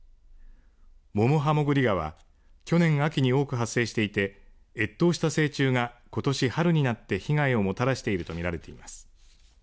モモハモグリガは去年秋に多く発生していて越冬した成虫がことし春になって被害をもたらしていると見られています。